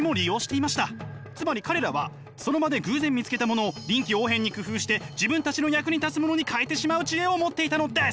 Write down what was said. つまり彼らはその場で偶然見つけたものを臨機応変に工夫して自分たちの役に立つものに変えてしまう知恵を持っていたのです！